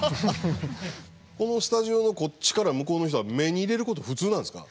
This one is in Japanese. このスタジオのこっちから向こうの人は目に入れること普通なんですか？